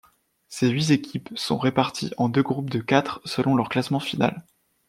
Ces huit équipes sont réparties en deux groupes de quatre selon leur classement final.